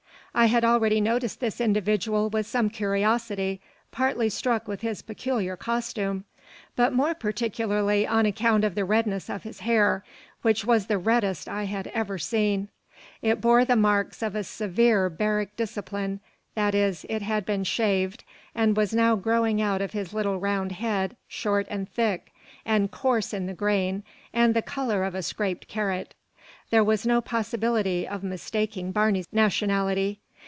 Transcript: I had already noticed this individual with some curiosity, partly struck with his peculiar costume, but more particularly on account of the redness of his hair, which was the reddest I had ever seen. It bore the marks of a severe barrack discipline that is, it had been shaved, and was now growing out of his little round head short and thick, and coarse in the grain, and of the colour of a scraped carrot. There was no possibility of mistaking Barney's nationality.